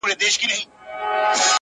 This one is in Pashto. o كبرجن وو ځان يې غوښـتى پــه دنـيـا كي.